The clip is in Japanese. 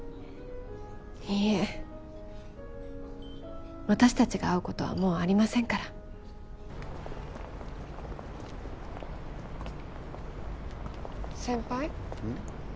いいえ私達が会うことはもうありませんから先輩うん？